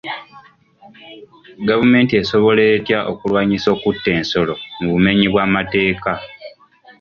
Gavumenti esobola etya okulwanyisa okutta ensolo mu bumenyi bw'amateeka?